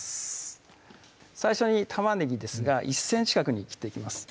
最初に玉ねぎですが１ｃｍ角に切っていきます